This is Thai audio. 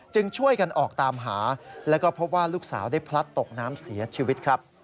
ช่วยกันออกตามหาแล้วก็พบว่าลูกสาวได้พลัดตกน้ำเสียชีวิตครับ